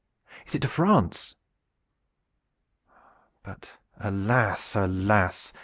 Is it to France? But alas, alas!"